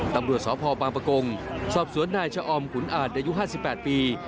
ตำรวจสพบางประกงสอบสวนนายชะออมขุนอาจอายุ๕๘ปี